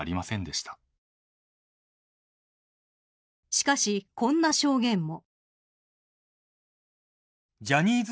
しかし、こんな証言も。